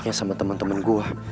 gue termasuk mau beli ini juga